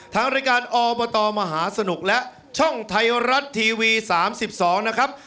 ทางรายการอบตมหาสนุกและช่องไทยรัฐทีวี๓๒นะครับ